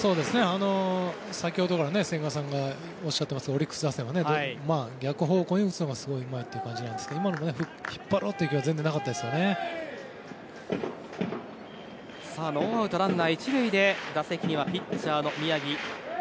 先ほどから千賀さんがおっしゃっていますけどオリックス打線は逆方向に打つのがすごいうまいという感じですが今のも引っ張ろうという気はノーアウトランナー１塁で打席にはピッチャーの宮城。